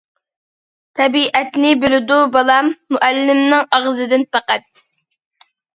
تەبىئەتنى بىلىدۇ بالام، مۇئەللىمنىڭ ئاغزىدىن پەقەت.